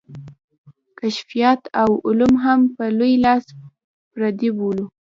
کشفیات او علوم هم په لوی لاس پردي بولو.